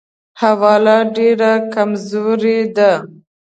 حواله ډېره کمزورې ده.